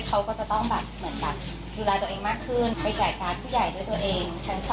เขาก็จะต้องแบบเหมือนแบบดูแลตัวเองมากขึ้น